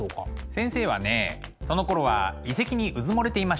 先生はねそのころは遺跡にうずもれていましたね。